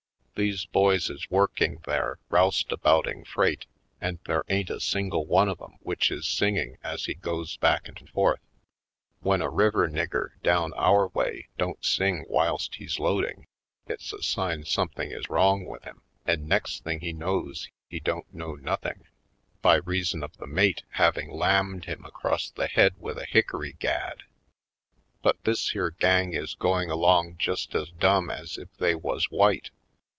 These boys is working there roustabouting freight, and there ain't a single one of 'em which is singing as he goes back and forth. When a river nigger down our way don't sing whilst he's loading, it's a sign something is wrong with him and next thing he knows he don't know nothing by reason of the mate having 40 /. Poindexter, Colored lammed him across the head with a hickory gad. But this here gang is going along just as dumb as if they was white.